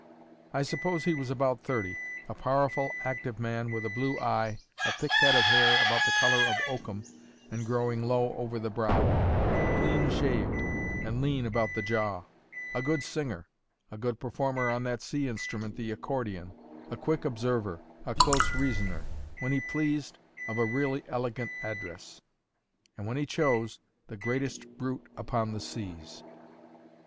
I suppose he was about thirty: a powerful, active man, with a blue eye, a thick head of hair, about the colour of oakum and growing low over the brow; clean shaved and lean about the jaw; a good singer; a good performer on that sea instrument, the accordion; a quick observer, a close reasoner; when he pleased, of a really elegant address; and when he chose, the greatest brute upon the seas.